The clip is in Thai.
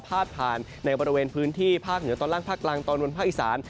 พาดผ่านในบริเวณพื้นที่ภาคเหนือตอนล่างภาคกลางตอนบนภาคอีสาน